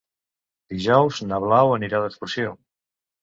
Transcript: Dijous na Blau anirà d'excursió.